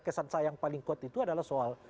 kesan saya yang paling kuat itu adalah soal